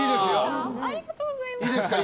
ありがとうございます！